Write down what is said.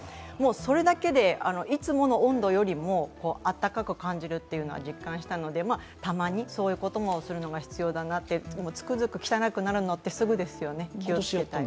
それだけでいつもの温度よりも暖かく感じるっていうのは実感したのでたまにそういうこともするのが必要だなと、つくづく汚くなるのってすぐですよね。